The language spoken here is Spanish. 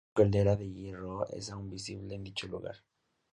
Su caldera de hierro es aún visible en dicho lugar.